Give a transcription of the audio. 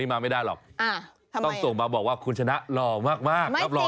ชอบดูรายการตลอดข่าวเพราะว่าอยากได้เสื้อ